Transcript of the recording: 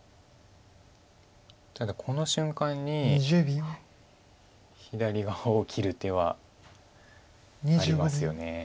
ただこの瞬間に左側を切る手はありますよね。